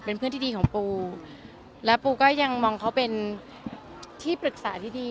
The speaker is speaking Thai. เป็นเพื่อนที่ดีของปูและปูก็ยังมองเขาเป็นที่ปรึกษาที่ดี